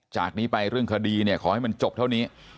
จากนี้ไปเรื่องคดีเนี่ยขอให้มันจบเท่านี้